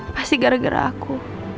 pasti gara gara aku